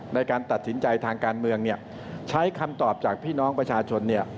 ในการตัดสินใจทางการเมืองเนี่ยใช้คำตอบจากพี่น้องประชาชนเนี่ย